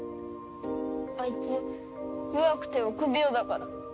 あいつ弱くて臆病だから。